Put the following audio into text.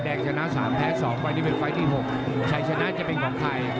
ชนะ๓แพ้๒ไฟล์นี้เป็นไฟล์ที่๖ชัยชนะจะเป็นของใคร